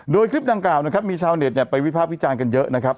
โดยคลิปตั้งกล่าวมีชาวเน็ตไปวิทยาลาภิกษา์กันเยอะนะครับ